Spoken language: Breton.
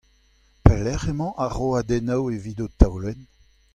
Pelecʼh emañ ar roadennoù evit ho taolenn ?